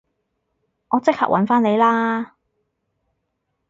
我即刻搵返你啦